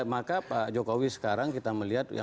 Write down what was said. maka pak jokowi sekarang kita melihat